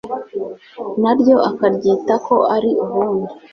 na ryo akaryita ko ari ubundi